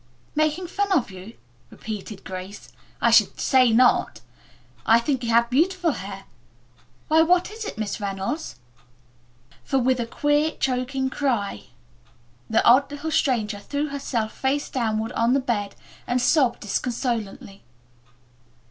"'Making fun of you,'" repeated Grace. "I should say not. I think you have beautiful hair. Why, what is it, Miss Reynolds?" For, with a queer, choking cry, the odd little stranger threw herself face downward on the bed and sobbed disconsolately.